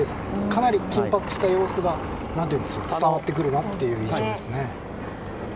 かなり緊迫した様子が伝わってくるという印象ですね。